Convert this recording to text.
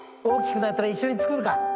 大きくなったら一緒に作るか。